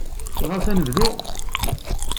Ɣas ad nebdu?